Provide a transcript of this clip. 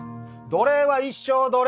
奴隷は一生奴隷！